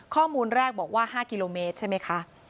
ข้อมูลแรกบอกว่า๕กิโลเมตรใช่ไหมคะ